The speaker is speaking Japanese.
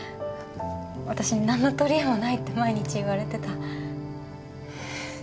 私何の取り柄もないって毎日言われてた。